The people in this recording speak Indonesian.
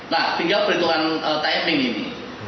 nah tinggal perhitungan timing ini